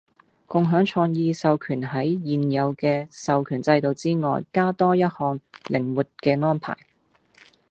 共享創意授權喺現有嘅授權制度之外加多一項靈活嘅安排